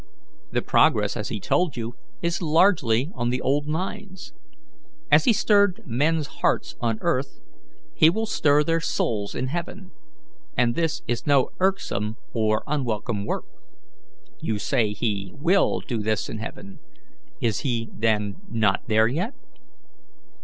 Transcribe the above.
"The progress, as he told you, is largely on the old lines. As he stirred men's hearts on earth, he will stir their souls in heaven; and this is no irksome or unwelcome work." "You say he WILL do this in heaven. Is he, then, not there yet?"